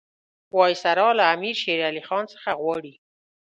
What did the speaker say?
وایسرا له امیر شېر علي خان څخه غواړي.